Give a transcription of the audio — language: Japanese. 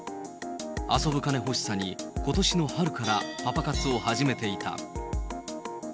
遊ぶ金欲しさにことしの春からパパ活を始めていた。